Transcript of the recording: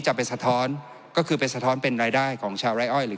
ไปสะท้อนก็คือไปสะท้อนเป็นรายได้ของชาวไร้อ้อยหรือ